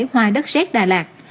hoa đất xét đà lạt